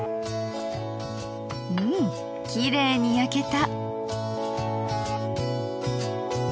うんきれいに焼けた。